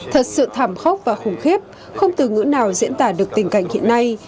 thật sự thảm khốc và khủng khiếp không từ ngữ nào diễn tả được tình cảnh hiện nay